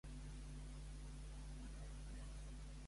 Quantes eren en total, segurament?